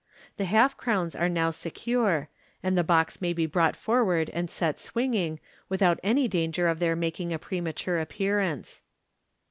The half crowns are now secure, and the ♦9» MODERN MA GIC. box may be brought forward and set swinging, without any danger of their making a premature appearance.